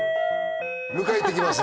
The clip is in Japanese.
迎え行ってきます